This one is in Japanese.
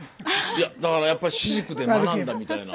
いやだからやっぱり私塾で学んだみたいな。